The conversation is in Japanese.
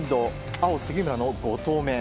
青、杉村の５投目。